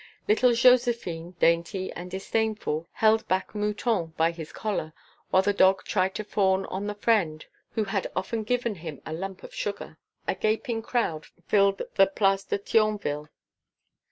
Little Joséphine, dainty and disdainful, held back Mouton by his collar when the dog tried to fawn on the friend who had often given him a lump of sugar. A gaping crowd filled the Place de Thionville.